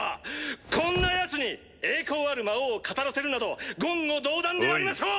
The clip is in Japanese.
こんなヤツに栄光ある魔王をかたらせるなど言語道断でありましょう！